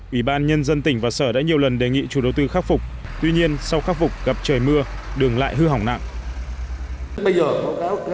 ủy ban nhân dân tỉnh và sở đã nhiều lần đề nghị chủ đầu tư khắc phục tuy nhiên sau khắc phục gặp trời mưa đường lại hư hỏng nặng